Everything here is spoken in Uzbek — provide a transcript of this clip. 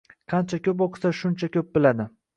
Qancha ko’p o’qisa, shuncha ko’p biladi.